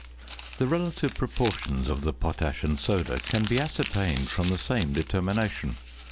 The relative proportions of the potash and soda can be ascertained from the same determination.